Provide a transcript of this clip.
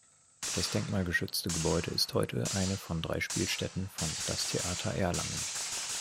Das denkmalgeschützte Gebäude ist heute eine von drei Spielstätten von "Das Theater Erlangen".